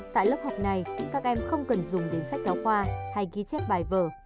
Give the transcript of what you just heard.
tại lớp học này các em không cần dùng đến sách giáo khoa hay ghi chép bài vở